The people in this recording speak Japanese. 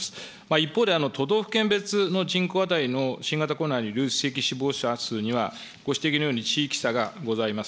一方で、都道府県別の人口当たりの新型コロナの累積死亡者数には、ご指摘のように地域差がございます。